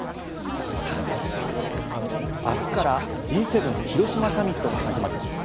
明日からＧ７広島サミットが始まります。